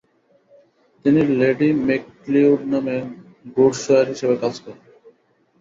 তিনি Lady McLeod নামে ঘোড়শওয়ার হিসেবে কাজ করেন।